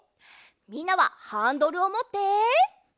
みんなはハンドルをもって。